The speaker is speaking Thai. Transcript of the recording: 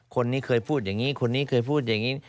คนนี้เคยพูดอย่างนี้คนนี้เคยพูดอย่างนี้